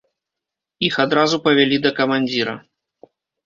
Іх адразу павялі да камандзіра.